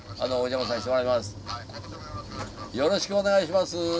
よろしくお願いします。